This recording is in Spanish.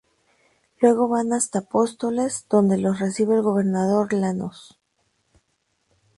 Luego van hasta Apóstoles donde los recibe el gobernador Lanusse.